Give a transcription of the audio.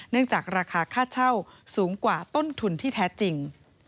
จากราคาค่าเช่าสูงกว่าต้นทุนที่แท้จริง